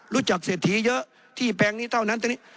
รู้จักเศรษฐีเยอะที่แปลงนี้เต้านั้นแต่นี้